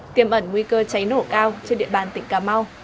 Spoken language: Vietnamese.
tiềm ẩn nguy cơ cháy nổ cao trên địa bàn tỉnh cà mau